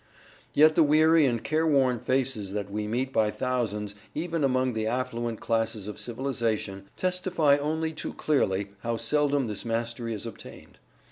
"Yet the weary and careworn faces that we meet by thousands, even among the affluent classes of civilization, testify only too clearly how seldom this mastery is obtained.